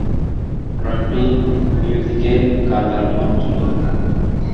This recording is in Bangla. কান্ট্রি মিউজিকে কার গান তোমার পছন্দ?